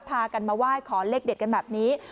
พากันมาไหว้ขอเลขเด็ดกันแบบนี้